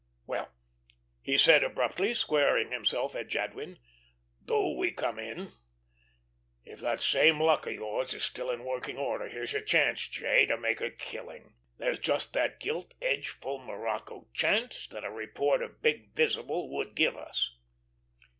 Well," he said abruptly, squaring himself at Jadwin, "do we come in? If that same luck of yours is still in working order, here's your chance, J., to make a killing. There's just that gilt edged, full morocco chance that a report of big 'visible' would give us."